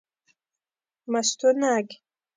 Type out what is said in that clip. مستونگ